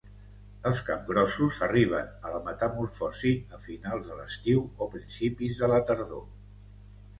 Els capgrossos arriben a la metamorfosi a finals de l'estiu o principis de la tardor.